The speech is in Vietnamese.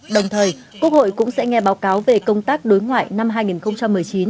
đồng thời quốc hội cũng sẽ nghe báo cáo về công tác đối ngoại năm hai nghìn một mươi chín